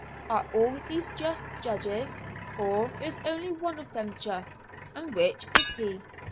Are all these just judges; or is only one of them just? and which is he?